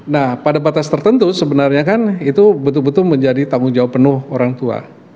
nah pada batas tertentu sebenarnya kan itu betul betul menjadi tanggung jawab penuh orang tua